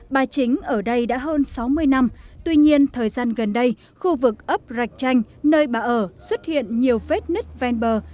bà chính ở đây đã hơn sáu mươi năm tuy nhiên thời gian gần đây khu vực ấp rạch chanh nơi bà ở xuất hiện nhiều vết nứt ven bờ